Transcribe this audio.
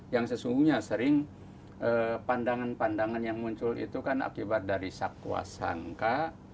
yang sesungguhnya sering pandangan pandangan yang muncul itu kan akibat dari sakwa sangka